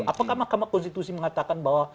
apakah mahkamah konstitusi mengatakan bahwa